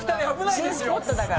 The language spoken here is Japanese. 新スポットだから。